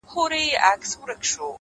روغ زړه درواخله خدایه بیا یې کباب راکه;